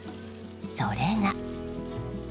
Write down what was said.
それが。